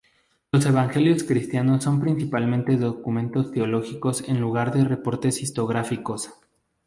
Los evangelios cristianos son principalmente documentos teológicos en lugar de reportes historiográficos.